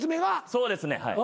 そうですねはい。